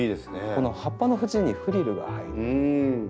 この葉っぱの縁にフリルが入る。